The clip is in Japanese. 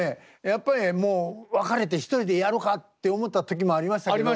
やっぱりねもう別れて１人でやろかって思った時もありましたけど。